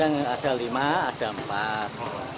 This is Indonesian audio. ada lima ada empat